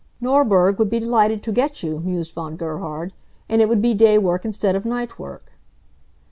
"Norberg would be delighted to get you," mused Von Gerhard, "and it would be day work instead of night work."